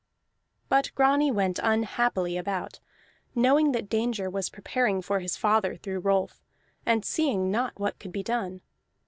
But Grani went unhappily about, knowing that danger was preparing for his father, through Rolf, and seeing not what could be done.